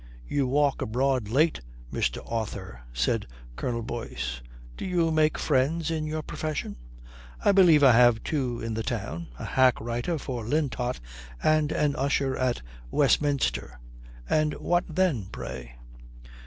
"You walk abroad late, Mr. Author," says Colonel Boyce. "Do you make friends in your profession?" "I believe I have two in the town a hack writer for Lintot and an usher at Westminster. And what then, pray?"